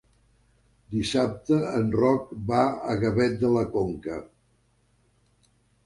Dissabte en Roc va a Gavet de la Conca.